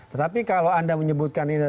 tetapi kalau anda menyebutkan ini